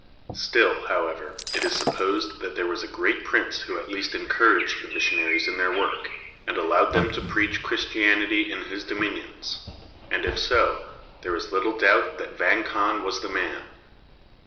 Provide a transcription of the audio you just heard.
Still, however, it is supposed that there was a great prince who at least encouraged the missionaries in their work, and allowed them to preach Christianity in his dominions, and, if so, there is little doubt that Vang Khan was the man.